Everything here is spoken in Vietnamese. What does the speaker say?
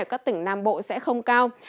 ở các tỉnh nam bộ sẽ không cao